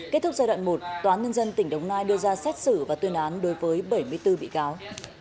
kết thúc giai đoạn một tòa án nhân dân tỉnh đồng nai đưa ra xét xử và tuyên án đối với bảy mươi bốn bị cáo